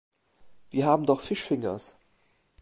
Wir haben doch fish fingers.